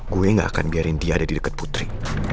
gue gak akan biarin dia ada di dekat putri